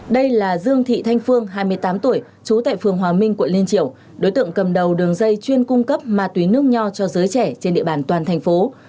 đây là dương thị thanh phương hai mươi tám tuổi trú tại phường hòa minh quận liên triều đối tượng cầm đầu đường dây chuyên cung cấp ma túy nước nho cho giới trẻ trên địa bàn toàn thành phố